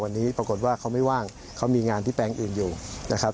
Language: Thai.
วันนี้ปรากฏว่าเขาไม่ว่างเขามีงานที่แปลงอื่นอยู่นะครับ